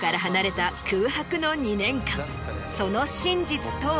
その真実とは。